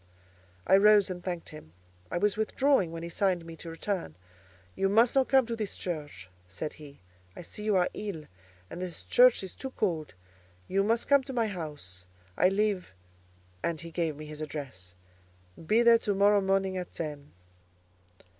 I rose and thanked him. I was withdrawing when he signed me to return. "You must not come to this church," said he: "I see you are ill, and this church is too cold; you must come to my house: I live——" (and he gave me his address). "Be there to morrow morning at ten."